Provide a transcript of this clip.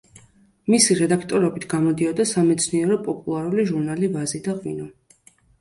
მისი რედაქტორობით გამოდიოდა სამეცნიერო-პოპულარული ჟურნალი „ვაზი და ღვინო“.